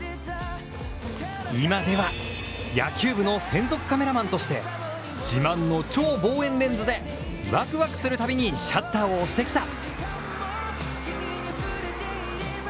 今では野球部の専属カメラマンとして自慢の超望遠レンズでワクワクするたびにシャッターを押してきた。